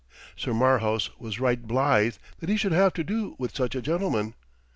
Sir Marhaus was right blithe that he should have to do with such a gentleman.